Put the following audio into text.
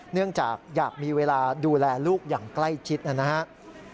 เนื่องจากอยากมีเวลาดูแลลูกอย่างใกล้ชิดนะครับ